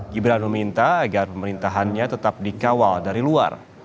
gibran meminta agar pemerintahannya tetap dikawal dari luar